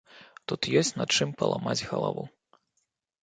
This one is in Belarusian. Тут ёсць над чым паламаць галаву.